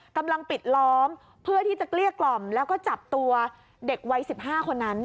กำลังปิดล้อมเพื่อที่จะเกลี้ยกล่อมแล้วก็จับตัวเด็กวัย๑๕คนนั้น